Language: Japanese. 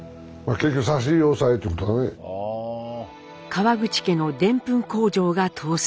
川口家のでんぷん工場が倒産。